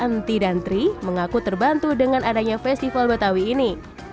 nty dantri mengaku terbantu dengan adanya festival betawi ini